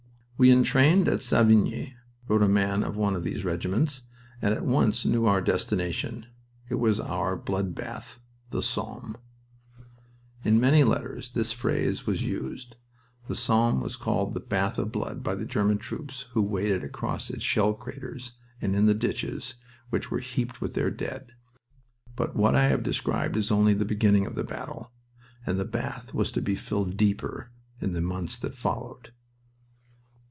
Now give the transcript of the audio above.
"We entrained at Savigny," wrote a man of one of these regiments, "and at once knew our destination. It was our old blood bath the Somme." In many letters this phrase was used. The Somme was called the "Bath of Blood" by the German troops who waded across its shell craters and in the ditches which were heaped with their dead. But what I have described is only the beginning of the battle, and the bath was to be filled deeper in the months that followed.